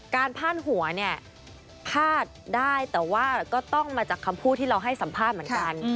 พาดหัวเนี่ยพลาดได้แต่ว่าก็ต้องมาจากคำพูดที่เราให้สัมภาษณ์เหมือนกัน